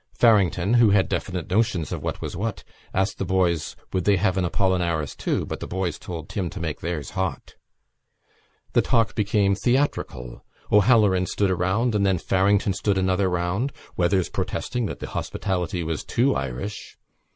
Farrington, who had definite notions of what was what, asked the boys would they have an Apollinaris too; but the boys told Tim to make theirs hot. The talk became theatrical. O'Halloran stood a round and then Farrington stood another round, Weathers protesting that the hospitality was too Irish.